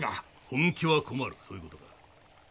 本気は困るそういういう事か？